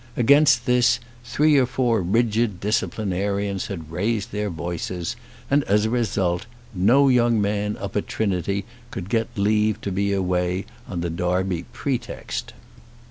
Against this three or four rigid disciplinarians had raised their voices, and as a result, no young man up at Trinity could get leave to be away on the Derby pretext.